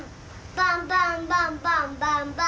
バンバンバンバンバン！